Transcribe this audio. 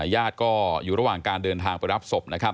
ญาติก็อยู่ระหว่างการเดินทางไปรับศพนะครับ